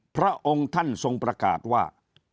พระองค์ท่านทรงประกาศว่า